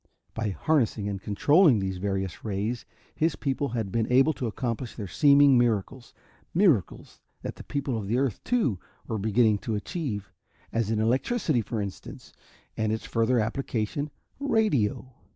By harnessing and controlling these various rays, his people had been able to accomplish their seeming miracles miracles that the people of earth, too, were beginning to achieve as in electricity, for instance, and its further application, radio.